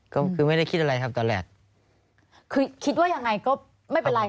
ก็คือไม่ได้คิดอะไรครับตอนแรกคือคิดว่ายังไงก็ไม่เป็นไร